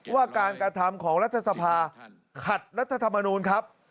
ว่าการกระทำของรัฐสภาขัดรัฐธรรมนูลครับ